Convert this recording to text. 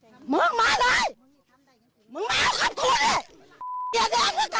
มึงมาเลยมึงมากับคู่ดิยังไงกัน